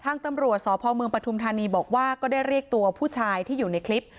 ทางตำรวจสพเมืองปฐุมธานีบอกว่าก็ได้เรียกตัวผู้ชายที่อยู่ในคลิป